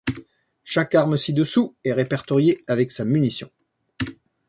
Chaque arme ci-dessous est répertoriée avec sa munition.